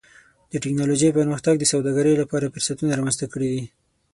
د ټکنالوجۍ پرمختګ د سوداګرۍ لپاره فرصتونه رامنځته کړي دي.